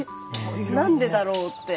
なんでだろうって。